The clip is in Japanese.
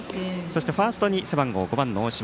ファーストに背番号５の大島。